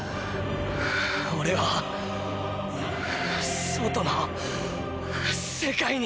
オレは外の世界に。